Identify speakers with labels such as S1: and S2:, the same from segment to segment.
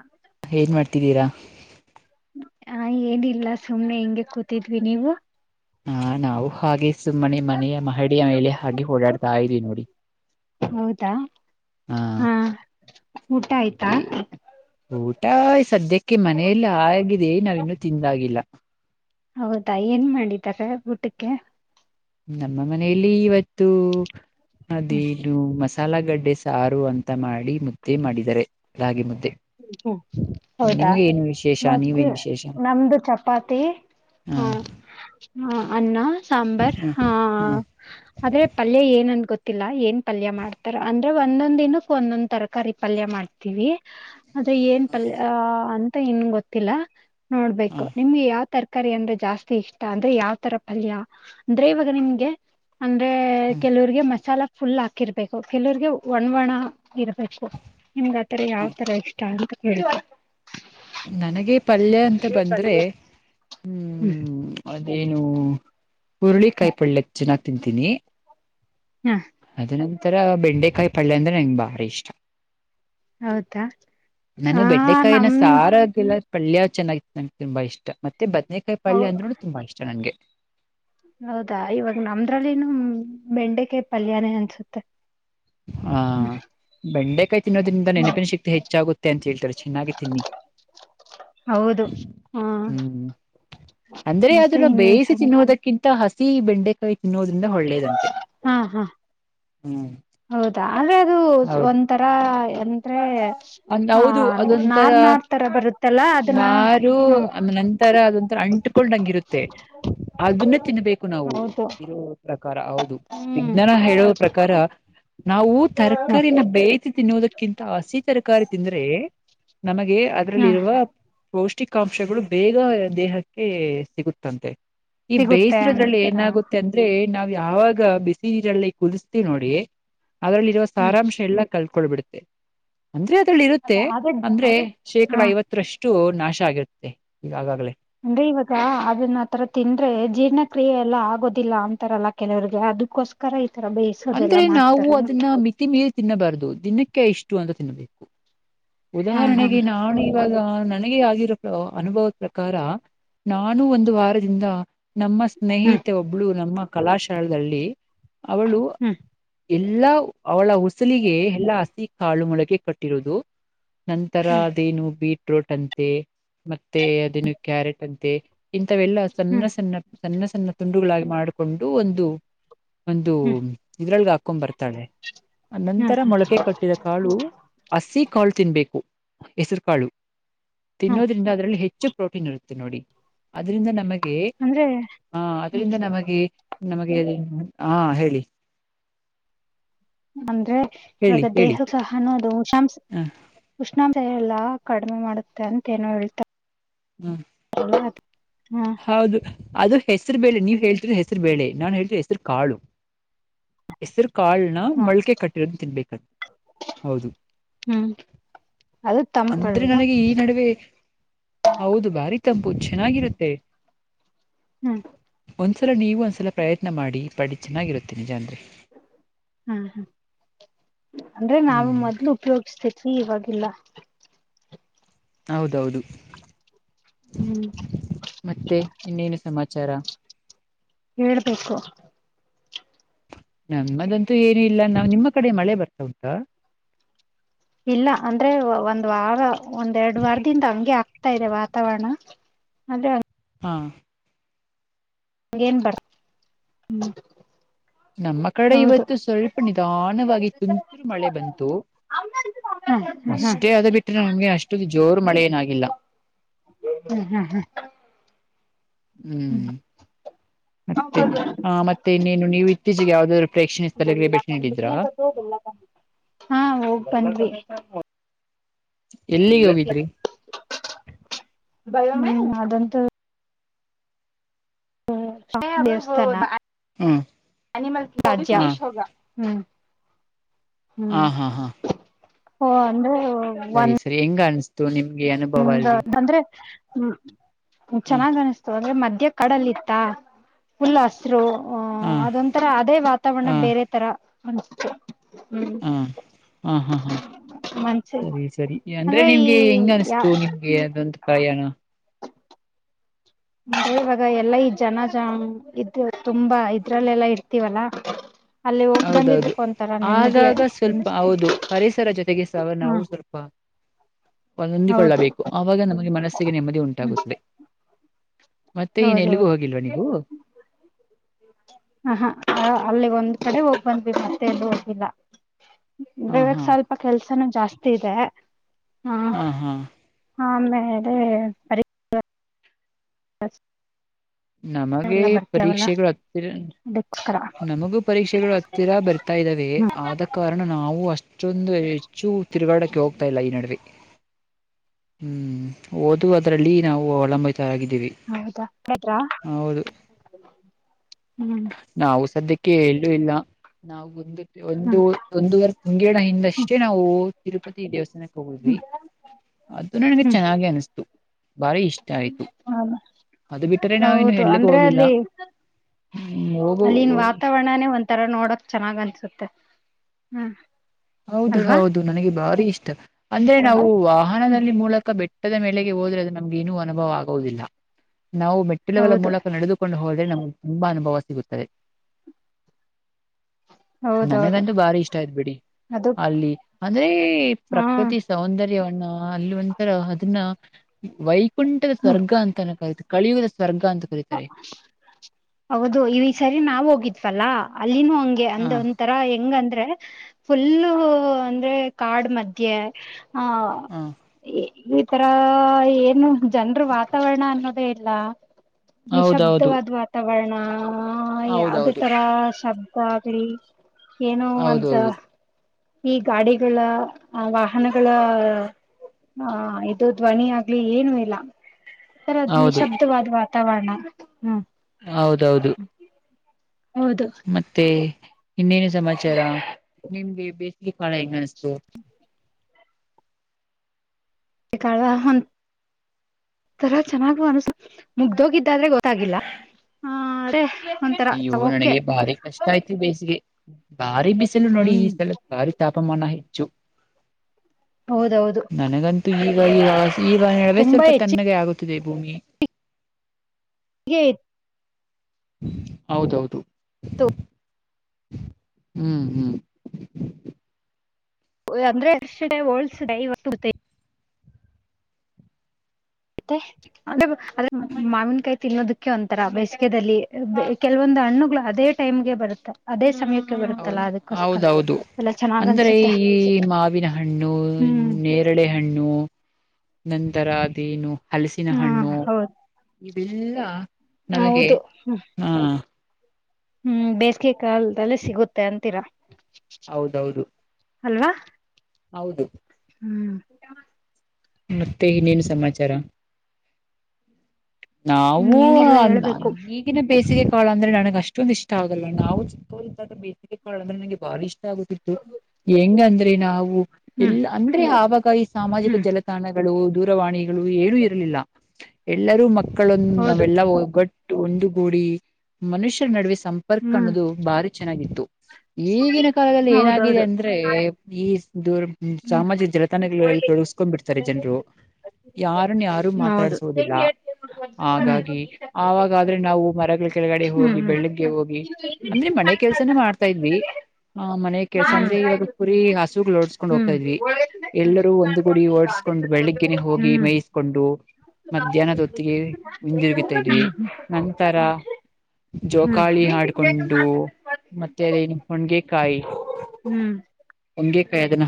S1: ಹ
S2: ಏನ್ ಮಾಡ್ತಿದ್ದೀರಾ
S1: ಹ ಏನಿಲ್ಲ ಸುಮ್ನೆ ಹೆಿಂಗೆ ಕೂತಿದ್ವಿ ನೀವು
S2: ಹಾ ನಾವು ಹಾಗೆ ಸುಮ್ಮನೆ ಮನೆಯ ಮಹಡಿಯ ಮೇಲೆ ಹಾಗೆ ಓಡಾಡ್ತಾ ಇದವಿ ನೋಡಿ
S1: ಹೌದಾ ಹಾ ಊಟ ಆಯ್ತಾ
S2: ಈ ಊಟ ಸದ್ಯಕ್ಕೆ ಮನೆಯಲ್ಲಿ ಆಗಿದೆ ನಾವ ಇನ್ನುೂ ತಿಂದಾಗಿಲ್ಲ
S1: ಹೌದಾ ಏನ್ ಮಾಡಿದಿದ್ದಾರೆ ಊಟಕ್ಕೆ
S2: ನಮ್ಮ ಮನೆಯಲ್ಲಿ ಇವತ್ತು ಅದೇನು ಮ ಸಾಲಗಡ್ಡೆ ಸಾರು ಅಂತ ಮಾಡಿ ಮುದ್ದೆ ಮಾಡಿದ್ದಾರೆ ಲಾಗಿೆ ಮುದ್ದೆ
S1: ಹ್ಮ ಹ್ಮ್ ಹೌದಾ
S2: ನಿಮ್ಗೆ ಏನು ವಿಶೇಷ
S1: ಮತ್ತೆ
S2: ನೀವೇನು ವಿಶೇಷ
S1: ನಮ್ದು ಚಪಾತಿ ಹಾ
S2: ಹ
S1: ಹಾ ಅನ್ನ ಸಾಂಬಾರ್
S2: ಹ್ಮ್
S1: ಹಾ
S2: ಹ್ಮ್
S1: ಆದ್ರೆ ಪಲ್ಯ ಏನಂದ ಗೊತ್ತಿಲ್ಲ ಏನ್ ಪಲ್ಯ ಮಾಡ್ತಾರ ಅಂದ್ರೆ ಒಂದೊಂದ್ ದಿನಕ್ಕೆ ಒಂದೊಂದ್ ತರಕಾರಿ ಪಲ್ಯ ಮಾಡ್ತಾರೆ ವಿ ಅದ ಏನ್ ಪಲ್ಯ ಅಂತ ಇನ್ ಗೊತ್ತಿಲ್ಲ
S2: ಹ
S1: ನೋಡ್ಬೇಕು ನಿಮ್ಗೆ ಯಾವ ತರ ತಕಾರಿ ಅಂದ್ರೆ ಜಾಸ್ತಿ ಇಷ್ಟ ಅಂದ್ರೆ ಯಾವ ತರ ಪಫಲ್ಯ ಅಂದ್ರೆ ಇವಾಗ ನಿಮ್ಗೆ ಅಂದ್ರೆ
S2: ಹ್ಮ್
S1: ಕೆಲವ್ರಗೆ ಮಸಾಲ ಫುಲ್ ಹಾಕಿರ್ಬೇಕು ಕೆಲವಗೆ ಒಣವಣ ಇರ್ಬೇಕು ನಿಮ್ಗ ಆತರ ಯಾವ
S2: ಹ್ಮ್
S1: ತರ ಎಷ್ಟ ಆಗ ಕಬೇಕು
S2: ನನಗೆ ಪಲ್ಯ ಅಂತ ಬಂದ್ರೆ
S1: ಹ್ಮ್
S2: ಅದೇನು ಹುರುಳಿ ಕಾಯಿ ಪೊಳ್ಳೆಕ್ ಚೆನ್ನಾಗ್ ತಿಂತೀನಿ
S1: ಹ್ಮ
S2: ಅದ ನಂತರ ಬೆಂಡೆಕಾಯಿ ಪಲ್ ಅಂದ್ರೆ ನಂಗೆ ಬಾರಿ ಇಷ್ಟ
S1: ಹೌದಾ ಆ
S2: ನಾನು ಬೆಂಡೆಕಾಯಿನ
S1: ನಮ್
S2: ಸಾರ ಆಗಿಲ್ಲ ಪಲ್್ಯ ಚೆನ್ನಾಗಿತ್ತು ನಂಗೆ ತುಂಬಾ ಇಷ್ಟ ಮತ್ತೆ ಬದನೇಕಾಯಿ
S1: ಹೌ
S2: ಪಳಯ ಅಂದ್ರುೂ ತುಂಬ ಇಷ್ಟ ನಂಗೆ
S1: ಹೌದಾ ಇವಾಗ ನಮ್ದ್ರಲ್ಲಿನು ಬೆಂಡಕೆ ಪಲ್ಯಾಣ ಅನ್ಸುತ್ತೆ
S2: ಹಾ ಬಂಡೆಕಾಯಿ ತಿನ್ನೋದ್ರಿಂದ
S1: ಹ್ಮ
S2: ನೆನಪಿನ ಸಿಕ್ತಿ ಹೆಚ್ಚಾಗುತ್ತೆ ಅಂತ ಹೇಳ್ತಾರೆ ಚೆನ್ನಾಗಿ ತಿನ್ನಿ
S1: ಹೌದು ಹಾ
S2: ಹ್ಮ್ ಅಂದ್ರೆ
S1: ಮತ್ತೆ
S2: ಅದನ್ನ
S1: ಇನ್ನೇನ್
S2: ಬೇಯಿಸಿ
S1: ಸಮ
S2: ತಿನ್ನುೋದಕ್ಕೆ ಕಿಂತ ಹಸಿ ಬೆಂಡೆಕಾಯಿ ತಿನ್ನೋದ್ರಿಂದ ಒಳ್ಳೇದಂತೆ
S1: ಹಾ ಹಾ
S2: ಹ್ಮ್
S1: ಹೌದಾ ಆದ್ರೆ ಅದು ಒಂಂತರಾ ಎಂದ್ರೆ
S2: ಅ ಹೌದು ಅದೊಂಂತರ
S1: ತರ ಬರುತ್ತಲ್ಲ ಅದನ್ನ
S2: ನಾರು
S1: ಹ್ಮ್
S2: ಆ ನಂತರ ಅದೊಂಂತರ ಅಂಟು ಕಕೊಂಡಂಗಿರುತ್ತೆ ಅದನ್ನ ತಿನ್ಬೇಕು ನಾವು
S1: ಹೌದು
S2: ಇ ಪ್ರಕಾರ ಹೌದು
S1: ಹ್ಮ್
S2: ವಿಜ್ಞಾನ ಹೇಳುವ ಪ್ರಕಾರ ನಾವು
S1: ಹ್ಮ್
S2: ತರಕಾರಿನ ಬೇಯ್ತ ತಿನ್ನುೋದಕ್ಕಿಂತ ಆಸತಿ ತರಕಾರಿ ತಿಂದ್ರೆ ನಮಗೆ ಅದ್ರಲ್ಲಿ
S1: ಹಾ
S2: ಇರುವ ಪೌಷ್ಟಿಕಾಂಶಗಳು ಬೇಗ ದೇಹಕ್ಕೆ ಸಿಗುತ್ತಂತೆ ಈ
S1: ಸಿಗುತ್ತೆ
S2: ಬೇಯಿಸಿರೋದ್ರಲ್ಲಿ
S1: ಅಂತಾನ
S2: ಏನಾಗುತ್ತೆ ಮ ಅಂದ್ರೆ ನಾವ್ ಯಾವಾಗ ಬಿಸಿ ನೀರಲ್ಲಿ ಕುದಸ್ತೀವಿ ನೋಡಿ ಅದ್ರಲ್ಲಿ ಇರುವ
S1: ಹ್ಮ್
S2: ಸಾರಾಂಶ ಎಲ್ಲಾ ಕಲ್ಕೊಳ್ಬಿಡುತ್ತೆ ಅಂದ್ರೆ ಅದ್ರಲ್ಲಿ
S1: ಅದ
S2: ಇರುತ್ತೆ
S1: ಅದ
S2: ಅಂದ್ರೆ ಶೇಕಡ
S1: ಹಾ
S2: ಐವತ್ತರಷ್ಟು ನಾಶ ಆಗಿರುತ್ತೆ ಈಗ ಆಗಾಗ್ಲೇ
S1: ಅಂದ್ರೆ ಇವಾಗ ಅದನ್ನ ಆತರ ತಿಂದ್ರೆ ಜೀರ್ಣಕ್ರಿಯೆ ಎಲ್ಲಾ ಆಗೋದಿಲ್ಲ ಅಂತರಲ್ಲ ಕೆವ್ರರಿಗೆ ಅದಕ್ಕೋಸ್ಕರ ಈ ತರ ಬೇ
S2: ಅಂದ್ರೆ ನಾವು ಅದನ್ನ ಮಿತಿ ಮೇಲೆ ತಿನ್ನಬಾರ್ದು ದಿನಕ್ಕೆ ಇಷ್ಟು ಅಂತ ತಿನ್ನಬೇಕು
S1: ಹಾ ಹಾ
S2: ಉದಾಹರಣೆಗೆ ನಾನು ಇವಾಗ ನನಗೆ ಆಗಿರೋ ಅನುಭವದ ಪ್ರಕಾರ ನಾನು ಒಂದು ವಾರದಿಂದ ನಮ್ಮ
S1: ಹ್ಮ್
S2: ಸ್ನೇಹಿತ ಒಬ್ಳು ನಮ್ಮ ಕಲಾಶಾಲೆದಲ್ಲಿ ಅವಳು
S1: ಹ್ಮ್
S2: ಎಲ್ಲಾ ಅವಳ ಉಸಲಿಗೆ ಎಲ್ಲಾ ಹಸಿ ಕಾಳು ಮೊಳಗೆ ಕಟ್ಟಿರುವುದು ನಂತರ
S1: ಹ್ಮ್
S2: ಅದೇನು ಬೀಟ್ರೋಟ್ ಅಂತೆ ಮತ್ತೆ ಅದೇನು ಕ್ಯಾರೆಟ್ ಅಂತೆ ಇಂಥವೆಲ್ಲಾ ಸಣ್ಣ
S1: ಹ್ಮ್
S2: ಸಣ್ಣ ಸಣ್ಣ ಸಣ್ಣ ತುಂಡುಗಳಾಗಿ ಮಾಡಿಕೊಂಡು ಒಂದು ಒಂದು
S1: ಹ್ಮ್
S2: ಇದ್ರೊಳ್ಗೆ ಹಾಕೊಂಡ್ ಬರ್ತಾಳೆ
S1: ಹ್ಮ್
S2: ನಂತರ ಮೊಳಕೆ ಕಟ್ಟಿರ ಕಾಳು ಹಸಿ ಕಾಳು ತಿನ್ಬೇಕು ಹೆಸರು ಕಾಳು
S1: ಹ್ಮ್
S2: ತಿನ್ನೋದ್ರಿಂದ ಅದ್ರಲ್ಲಿ ಹೆಚ್ಚು ಪ್ರೋಟೀನ್ ಇರುತ್ತೆ ನೋಡಿ ಅದ್ರಿಂದ ನಮಗೆ
S1: ಅಂದ್ರೆ
S2: ಹ ಅದರಿಂದ ನಮಗೆ ನಮಗೆ ಹಾ ಹೇಳಿ
S1: ಅಂದ್ರೆ
S2: ಹೇಳಿ
S1: ಇವಾಗ
S2: ಹೇಳಿ
S1: ದೇಹ ಸಹಾನು ಅದುಷಂ
S2: ಹ
S1: ಉಷ್ಣಾ್ರ ಎಲ್ಲಾ ಕಡಿಮೆ ಮಾಡುತ್ತೆ ಅಂತ ಏನೋ ಹೇಳ್ತಾರೆ
S2: ಹ್ಮ್
S1: ಹಾ
S2: ಹೌದು ಅದು ಹೆಸರು ಬೇಳೆ ನೀವ್ ಹೇಳ್ತಿದ್ರೆ ಹೆಸರು ಬೇಳೆ ನಾನ್ ಹೇಳ್ತಿದ್ರೆ ಹೆಸರು ಕಾಳು ಹೆಸರು ಕಾಳನ
S1: ಹ್ಮ
S2: ಮೊಳ್ಕೆ ಕಟ್ಟಿರೋದು ತಿನ್ಬೇಕಂತ ಹೌದು
S1: ಹ್ಮ್ ಅದು
S2: ಅಂದ್ರೆ
S1: ತಂಪಲ್ವಾ
S2: ನನಗೆ ಈ ನಡುವೆ ಹೌದು ಬಾರಿ ತಂಪು ಚೆನ್ನಾಗಿರುತ್ತೆ
S1: ಹ್ಮ್
S2: ಒಂದ್ಸಲ ನೀವು ಒಂದ್ಸಲ ಪ್ರಯತ್ನ ಮಾಡಿ ಪಡಿ ಚೆನ್ನಾಗಿರುತ್ತೆ ನಿಜಾಂದ್ರೆ
S1: ಹಾ ಹಾ ಅಂದ್ರೆ ನಾವವು
S2: ಹ್ಮ್
S1: ಮೊದ್ಲು ಉಪಯೋಗ್ಿಸ್ತೇ ಸಿ ಇವಾಗಿಲ್ಲ
S2: ಹೌದೌದು
S1: ಹ್ಮ್
S2: ಮತ್ತೆ ಇನ್ನೇನು ಸಮಾಚಾರ
S1: ಹೇಳ್ಬೇಕು
S2: ನಮ್ಮದಂತೂ ಏನ ಇಲ್ಲ ನಾ್ ನಿಮ್ಮ ಕಡೆ ಮಳೆ ಬರ್ತಾ ಉಂಟಾ
S1: ಇಲ್ಲ ಅಂದ್ರೆ ಒಂದ್ ವಾರ ಒಂದ್ೆರಡ್ ವಾರದಿಂದ ಹಂಗೆ ಆಗ್ತಾ ಇದೆ ವಾತಾವರಣ ಅದೇ
S2: ಹಾ
S1: ಹೇನ್ ಬರ್ ಹ್ಮ
S2: ನಮ್ಮ ಕಡೆ ಇವತ್ತು ಸ್ವಲ್ಪ ನಿಧಾನವಾಗಿ ತುಂತುರು ಮಳೆ ಬಂತು
S1: ಹ್ಮ್ ಹ್ಮ್
S2: ಅಷ್ಟೇ ಅದ ಬಿಟ್ರೆ ನಮ್ಗೆ ಅಷ್ಟ ಜೋರು ಮಳೆ ಏನಾಗಿಿಲ್ಲ
S1: ಹ್ಮ್ ಹ್ಮ್ ಹ್ಮ್
S2: ಹ್ಮ್ ಮತ್ತೆ ಹ ಮತ್ತೆ ಇನ್ನೇನು ನೀವು ಇತ್ತೀಚೆಗೆ ಯಾವ್ದಾದ್ರು ಪ್ರೇಕ್ಷಣೀಯ ಸ್ಥಳಗಳಿಗೆ ಭೇಟಿ ನೀಡಿದ್ರಾ
S1: ಬೆಕಂತ ಬೆಲ್ಲ ಹಾ ಹೋಗ್ ಬನ್ಿ
S2: ಎಲ್ಲಿಗೆ ಹೋಗಿದ್ರಿ
S1: ಬಯ ಅದಂತ ದೇವಸ್ಥಾನ
S2: ಹ್ಮ್
S1: ಎನಮ
S2: ಹ
S1: ಹ್ಮ ಹ್ಮ
S2: ಹ ಹಾ ಹಾ
S1: ಓ ಅಂದ್ರೆ
S2: ಸರಿ ಸರಿ ಹೆಂಗ ಅನಿಸ್ತು ನಿಮ್ಗೆ ಅನುಭವ
S1: ಒಂದ
S2: ಅಲ್ಲಿ
S1: ಅಂದ್ರೆ ಹ್ಮ
S2: ಹ
S1: ಚೆನ್ನಾಗ್ ಅನಿಸ್ತವ ಅಂದ್ರೆ ಮಧ್ಯ್ಯ ಕಾಡಲ್ಲಿ ಇತ್ತ ಫುಲ್ ಹಸ್ರು
S2: ಹ
S1: ಅದೊಂಂತರ ಅದೇ
S2: ಹ
S1: ವಾತಾವರಣ ಬೇರೆ ತರ ಅನ್ಸೆ ಹ್ಮ್
S2: ಹಾ ಹಾ ಹಾ
S1: ಮನ್ಸಿ
S2: ಸರಿ ಸರಿ ಅಂದ್ರೆ ನಿಮ್ಗೆ ಹೆಂಗ
S1: ಯಾ
S2: ಅನ್ಸ್ತ ನಿಮ್ಗೆೊಂದು ಪ್ರಯಾಣ
S1: ಅೆ ಇವಾಗ ಎಲ್ಲಾ ಈ ಜನ ಜ ಇದ ತುಂಬಾ ಇದ್ರಲ್ಲೆಲ್ಲಾ ಇರ್ತೀವಲ್ಲಾ ಅಲ್ಲಿ ಹೋಗ್
S2: ಹೌದೌದು
S1: ಬಂದಿದ್ದಕ್ ಒಂಥರ ನೆಮ್ಮದಿ
S2: ಆಗಾಗ ಸ್ವಲ್ಪ
S1: ಅನ್ನಿಸ್ತು
S2: ಹೌದು ಪರಿಸರ ಜೊತೆಗೆ ಸವ
S1: ಹ್ಮ
S2: ನಾವು ಸ್ವಲ್ಪ
S1: ಹೌದು
S2: ಹೊಂದಿಕೊಳ್ಳಬೇಕು ಆವಾಗ ನಮಗೆ ಮನಸ್ಸಿಗೆ ನೆಮ್ಮದಿ
S1: ಹ್ಮ್
S2: ಉಂಟಾಗುತ್ತದೆ ಮತ್ತೆ ಇನ್ ಎಲ್ಲಿಗೂ
S1: ಹೌದೌದು
S2: ಹೋಗಿಲ್ವಾ ನೀವು
S1: ಹ ಹಾ ಅಲ್ಲಿ ಒಂದ್ ಕಡೆ ಹೋಗ್ ಬಂದ್ ಮತ್ತೆ ಎಲ್ಲಿ ಹೋಗ್ಲಿಲ್ಲ
S2: ಹಾ
S1: ಇವಾಗ
S2: ಹಾ
S1: ಸ್ವಲ್ಪ ಕೆಲ್ಸನೂ ಜಾಸ್ತಿ ಇದೆ ಹಾ ಹ ಆಮೇ
S2: ನಮಗೆ ಪರೀಕ್ಷೆಗಳು ಹತ್ತ
S1: ಸ್ರಾ
S2: ನಮಗೂ ಪರೀಕ್ಷೆಗಳು ಹತ್ತಿರ ಬರ್ತಾ ಇದ್ದಾವೆ
S1: ಹ್ಮ್
S2: ಆದ ಕಾರಣ ನಾವು ಅಷ್ಟೊಂದು ಹೆಚ್ಚು ತಿರುಗಾಡಕ್ಕೆ ಹೋಗ್ತಾ ಇಲ್ಲ ಈ ನಡುವೆ ಹ್ಮ್ ಓದು ಅದರಲ್ಲಿ ನಾವು ಅವಲಂಬಿತರಗಿದ್ದೀವಿ
S1: ಹೌದಾ ಹೇಳಿದ್ರಾ ಹ್ಮ್
S2: ನಾವು ಸದ್ಯಕ್ಕೆ ಹೇಳೂ ಇಲ್ಲ ನಾವು ಒಂದು ಒಂದು
S1: ಹ್ಮ್
S2: ಒಂದವರೆ ತಿಂಗಡ
S1: ಹ್ಮ್
S2: ಹಿಂದಷ್ಟೇ ನಾವು ತಿರುಪತಿ ದೇವಸ್ಥಾನಕ್ಕೆ ಹೋಗಿದ್ವಿ
S1: ಹ್ಮ್
S2: ಅದು ನನಗೆ
S1: ಹ್ಮ್
S2: ಚೆನ್ನಾಗಿ ಅನಿಸ್ತು ಬಾರಿ ಇಷ್ಟ ಆಯತು
S1: ಹೌದ
S2: ಅದು ಬಿಟ್ಟು
S1: ಹೌದು ಅಂದ್ರೆ ಅಲ್ಲಿ
S2: ಹ್ಮ್ ಹೋಗು
S1: ಅಲ್ಲಿನ್ ವಾತ ಚಾವಣನೇ ಒಂಂತರ ನೋಡಕ್ ಚೆನ್ನಾಗ್ ಅನ್ಸುತ್ತೆ ಹ್ಮ್
S2: ಹೌದು
S1: ಅಲ್ವಾ
S2: ಹೌದು ನನಗೆ ಭಾರಿ ಇಷ್ಟ ಅಂದ್ರೆ ನಾವು
S1: ಹ್ಮ್
S2: ವಾಹನದಲ್ಲಿ ಮೂಲಕ ಬೆಟ್ಟ ಪಟ್ಟದ ಮೇಲೆಗೆ ಹೋದ್ರೆ ಅದು ನಮಗೆ ಏನೂ ಅನುಭವ ಆಗುವುದಿಲ್ಲ ನಾವು ಮೆಟ್ಟಿಲುಗಳ
S1: ಹೌದು
S2: ಮೂಲಕ ನಡೆದು ಕಕೊಂಡು ಹೋದ್ರೆ ನಮ್ಗೆ ತುಂಬಾ ಅನುಭವ ಸಿಗುತ್ತದೆ
S1: ಹೌದೌದು
S2: ನನಗಂತೂ ಬಾರಿ ಇಷ್ಟ ಆಯ್ ಬಿಡಿ
S1: ಅದು
S2: ಅಲ್ಲಿ ಅಂದ್ರೆ
S1: ಹಾ
S2: ಪ್ರಕೃತಿ ಸೌಂದರ್ಯವನ್ನು ಅಲ್ಲಿ ಒಂಥರ ಅದನ್ನ ವೈಕುಂಠದ
S1: ಹ್ಮ್
S2: ಸ್ವರ್ಗ ಅಂತನ ಕರಿೆ ಕಳಿಯುವುದ ಸ್ವರ್ಗ ಅಂತ ಸತಾರೆ
S1: ಹೌದು ಈ ಸರಿ ನಾವವು ಹೋಗಿತ್ವಲ್ಲಾ ಅಲ್ಲಿನೂ ಹಂಗೆ
S2: ಹ
S1: ಅಂದ ತರ ಹೆಂಗಂದ್ರೆ ಫುಲ್ಲು ಅಂದ್ರೆ ಕಾಡ್ ಮಧ್ಯೆ ಹಾ
S2: ಹ
S1: ಈ ತರ ಏನು ಜನರ ವಾತಾವರಣ ಅನ್ನೋದೇ ಇಲ್ಲ
S2: ಹೌದೌದು
S1: ನಿಶಶಬ್ದವಾದ ವಾತಾವರಣ ಯಾದೇ
S2: ಹೌದೌದು
S1: ತರ ಶಬ ಆಗ್ಲಿ ಏನೋ ಒಂದ
S2: ಹೌದೌದು
S1: ಈ ಗಾಡಿಗಳ ವಾಹನಗಳ ಹಾ ಇದು ಧ್ವನಿ ಆಗ್ಲಿ ಏನು ಇಲ್ಲ ಈ ತರದ್
S2: ಹೌದು
S1: ನಿಶಬ್ದವಾದ ವಾತಾವರಣ ಹ್ಮ್
S2: ಹೌದೌದು
S1: ಹೌದು
S2: ಮತ್ತೆ ಇನ್ನೇನು ಸಮಾಚಾರ ನಿಮ್ಗೆ ಬೇಸಿಗೆ ಕಾಣ ಹೆಂಗ ಅನಿಸ್ತು
S1: ಕಹ ತರ ಚೆನ್ನಾಗ ಅಸ ಮುಗ್ದೋಗಿದ್ದಾದ್ರೆ ಗೊತ್ತಾಗಿಲ್ಲ ಒಂಥರ
S2: ಅಯ್ಯೋ
S1: ಓಕೆ
S2: ನನಗೆ ಭಾರಿ ಕಷ್ಟ ಆಯ್ತಿು ಬೇಸಿಗೆ ಭಾರಿ ಬಿಸಿಲು ನೋಡಿ
S1: ಹ್ಮ್
S2: ಈ ಸಲ ಭಾರಿ ತಾಪಮಾನ ಹೆಚ್ಚು
S1: ಹೌದೌದು
S2: ನನಗಂತೂ ಈಗ ಈ ಈಗ ನಡುವೆ
S1: ತುಂಬಾ
S2: ಸ್ವಲ್ಪ
S1: ಹೆಚ್ಚಿಗೆ
S2: ತ್ಣಗೆ ಆಗುತ್ತಿದೆ ಭೂಮಿ
S1: ಎಟ್
S2: ಹೌದೌದು
S1: ತ
S2: ಹ್ಮ್ ಹ್ಮ್
S1: ಅಂದ್ರೆ ಎ ಡೇ ವಓಲ್ಡ್ಸ್ ಡೈ ತ್ತ ಅಂದ್ರೆ ಮಾವಿನಕಾಯಿ ತಿನ್ನೋದಕ್ಕೆ ಒಂಂತರ ಬೇಸಿಗೆದಲ್ಲಿ ಕೆಲವೊಂದು ಹಣ್ಣುಗಳು ಅದೇ ಟೈಮ್ಗೆ ಬರುತ್ತ ಅದೇ ಸಮಯಕ್ಕೆ
S2: ಹೌದ
S1: ಬರುತ್ತಲ್ಲಾ ಅದಕ್ಕೋಸ್ಕರ
S2: ಹೌದೌದು
S1: ಎಲ್ಲ ಚೆನ್ನಾಗ್
S2: ಅಂದ್ರೆ
S1: ಅನ್ಸುತ್ತೆ
S2: ಈ ಮಾವಿನ ಹಣ್ಣು
S1: ಹ್ಮ್
S2: ಕರಳೆ ಹಣ್ಣು ನಂತರ ಅದೇನು ಹಲಸಿನ
S1: ಹಾ
S2: ಹಣ್ಣು
S1: ಹೌದು
S2: ಇವೆಲ್ಲಾ ನಮಗೆ
S1: ಹೌದು
S2: ಹ
S1: ಹ್ಮ್ ಬೇಸಿಗೆ ಕಲ್ದದಲ್ಲಿ ಸಿಗುತ್ತೆ ಅಂತೀರಾ
S2: ಹೌದೌದು
S1: ಅಲ್ವಾ
S2: ಹೌದು
S1: ಹ್ಮ್
S2: ಮತ್ತೆ ಇನ್ನೇನು ಸಮಾಚಾರ ನಾೂ
S1: ಏನಿಲ್ಲ ಹೇಳ್ಬೇಕು
S2: ಈಗಿನ ಬೇಸಿಗೆ ಕಾಳ ಅಂದ್ರೆ ನನಗೆ ಅಷ್ಟೊಂದ ಇಷ್ಟ ಆಗಲ್ಲ ನಾವು ಚಿಕ್ಕೋದ ಬೇಿಗೆ ಕಾಳ ಅ್ರೆ ನನಗೆ ಬಾರಿಳ ಇಷ್ಟ ಹೆಂಗ ಅಂದ್ರೆ ನಾವು
S1: ಹ್ಮ್
S2: ಎಲ್ಲ ಅಂದ್ರೆ ಆವಾಗ ಈ ಸಾಮಾಜಿಕ
S1: ಹ್ಮ್
S2: ಜಲ ಸ್ಥಾನಗಳು ದೂರವಾಣಿಗಳು ಏನೂ ಇರಲಿಲ್ಲ ಎಲ್ಲರೂ ಮಕ್ಕಳಂದ
S1: ಹೌದು
S2: ನಾವೆಲ್ಲಾ ಒಗ್ಗ ಒಂದು ಗೋಡಿ ಮನುಷ್ಯರ ನಡುವೆ ಸಂಪರ್ಕ
S1: ಹ್ಮ್
S2: ಅನ್ನೋದು ಭಾರಿ ಚೆನ್ನಾಗಿತ್ತು ಈಗಿನ ಕಾಲದಲ್ಲಿ ಏನಾಗಿದೆ
S1: ಹೌದೌದು
S2: ಅಂದ್ರೆ ಈ ದದುರ್ ಹ್ಮ
S1: ಹ್ಮ್
S2: ಸಾಮಾಜಿಕ ಜಾಲತಾಣಗಳಲ್ಲ ತೊಡಗಸ್್ಕೊಂಡ್ ಬಿಿಡ್ತಾರೆ ಜನರು ಯಾರನ್ ಯಾರು
S1: ಹೌದು
S2: ಮಾತಾಡ್ಸೋುದಿಲ್ಲ ಹಾಗಾಗಿ ಆವಾಗಾದ್ರೆ ನಾವು ಮರಗಳ ಕೆಳಗಡೆ
S1: ಹ್ಮ್
S2: ಹೋಗಿ
S1: ಹ್ಮ್
S2: ಬೆಳ್ಳಿ
S1: ಹ್ಮ್
S2: ಗೆ ಹೋಗಿ ಅಂದ್ರೆ ಮನೆ ಕೆಲ್ಸನ ಮಾಡ್ತಾ ಇದ್ವಿ ಹಾ ಮನೆಗ್ ಕೆಲ್ಸ ಅಂದ್ರೆ ಇವಾಗ ಪುರಿ ಹಸುಗ್ ನೋಡ್ಸ ಕೊಂಡ್ ಹೋಗ್ತ ಇದ್ವಿ ಎಲ್ಲರೂ ಒಂದು ಗುಡಿ ಓಡ್ಸ್ಕೊಂಡ್ ಬೆಳಿಗ್ಗೆೇ ಹೋಗಿ ಮೈ ಕೊಂಡು ಮಧ್ಯಾಹ್ನದ ಹೊತ್ತಿಗೆ ಹಿಂದಿರುಗಿತಾ ಇದ್ವಿ ನಂತರ ಜೋಕಾಳಿ ಹಾಡ್ಕೊಂಡು ಮತ್ತೆ ಅದನು ಹೊಣ್ಗೆಕಾಯಿ
S1: ಹ್ಮ್
S2: ಹೊಂಗೆಕಾಯಿ ಅದನ್ನ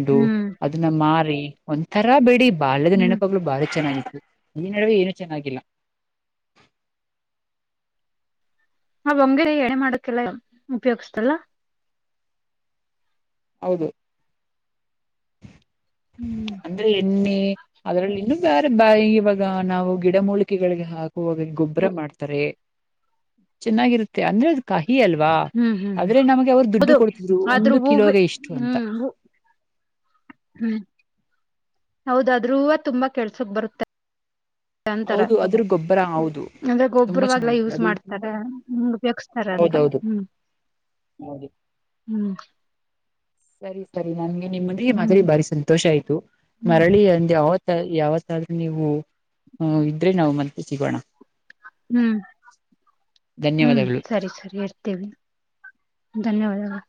S1: ಹ್ಮ್ ಹ್ಮ್
S2: ಅದನ್ನ ಮಾರಿ ಒಂಥರ ಬಿಡಿ ಬಾಲ್ದ
S1: ಹ್ಮ್
S2: ನೆನಪಗ್ಗಳು ಬಾರಿ ಚೆನ್ನಾಗಿತ್ತು ಈ ನೆಡುವೇ ಏನು ಚೆನ್ನಾಗಿಲ್ಲ
S1: ಹ ಬಂಗರಿ ಎಣೆ ಮಾಡಕ್ಕೆಲ್ಲ ಉಪಯೋಗ್ಸ್ತಲ್ಲ
S2: ಹೌದು
S1: ಹ್ಮ್
S2: ಅಂದ್ರೆ ಎಣ್ಣೆ ಅದರಲ್ಲಿ ಇನ್ನುೂ ಬೇರೆ ಬ ಇವಾಗ ನಾವು ಗಿಡಮೂಲಿಕೆಗಳಿಗೆ ಹಾಕುವಾಗ ಗೊಬ್ಬರ ಮಾಡ್ತಾರೆ
S1: [inaudible]
S2: ಚೆನ್ನಾಗಿರುತ್ತೆ ಅಂದ್ರೆ ಅದು ಕಹಿ ಅಲ್ವಾ
S1: ಹ್ಮ್ ಹ್ಮ್
S2: ಆದ್ರೆ ನಮಗೆ ಅವರು ದುಡ್ಡು
S1: ಹೌದು
S2: ಕೊಡ್ತಿದ್ರು
S1: ಆದ್ರೂ
S2: ಒಂದು
S1: ಹೂವು
S2: ಕಿಲೋಗೆ ಇಷ್ಟು ಅಂತ
S1: ಹ್ಮ್ ಹ್ಮ್ ಹೌದಾದ್ರೂ ತುಂಬಾ ಕೆಲ್ಸಕ್ ಬರುತ್ತೆ ಅಂತರ
S2: ಹೌದು ಅದ್ರ ಗೊಬ್ಬರ ಹೌದು
S1: ಅಂದ್ರೆ
S2: ತುಂಬಾ
S1: ಗೊಬ್ಬರವಾಗಲ್ಲಾ
S2: ಚೆನ್ನಾಗಿದೆ
S1: ಯೂಸ್
S2: ಅದು ತುಂಬಾ
S1: ಮಾಡ್ತಾರೆ ತರ ಅಂತ ಹ್ಮ್
S2: ಮದ
S1: ಹ್ಮ್
S2: ಸರಿ ಸರಿ ನಂಗೆ ನಿಮ್ಮಂದಿಗೆ ಮಾತ್ರ
S1: ಹ್ಮ್
S2: ಬಾರಿಸಂತ ಸಂತೋಷ ಆಯ್ತು
S1: ಹ್ಮ್
S2: ಮರಳಿ ಅಂದ ಯಾವತ್ತ ಯಾವತ್ತಾದ ನೀವು ಹ್ಮ ಇದ್ರೆ ನಾವು ಮತ್ತೆ ಸಿಗೋಣ
S1: ಹ್ಮ್ ಹ್ಮ್
S2: ಧನ್ಯವಾದಗಳು
S1: ಸರಿ ಸರಿ ಇತ ೇ ಧನ್ಯವಾದಗಳು